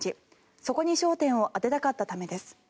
そこに焦点を当てたかったためです。